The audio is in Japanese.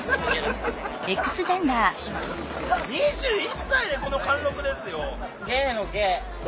２１歳でこの貫禄ですよ！